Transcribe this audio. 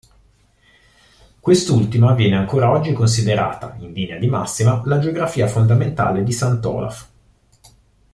Quest’ultima viene ancora oggi considerata, in linea di massima, l’agiografia fondamentale di Sant’Olaf.